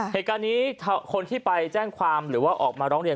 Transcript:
เหตุการณ์นี้คนที่ไปแจ้งความหรือว่าออกมาร้องเรียน